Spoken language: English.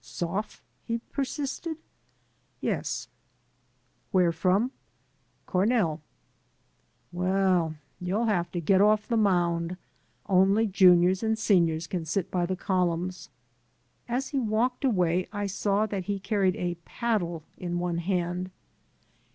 "Soph?" he persisted. "Yes." "Where from?" "Cornell." 805 AN AMERICAN IN THE MAKING "Well, you'll have to get oflf the mound. Only juniors and seniors can sit by the columns/' As he walked away I saw that he carried a "paddle in one hand.